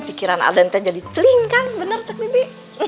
pikiran adel ntar jadi celing kan bener cek bebi